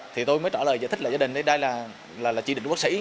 thì tôi mới trả lời giải thích là gia đình đây là chỉ định của bác sĩ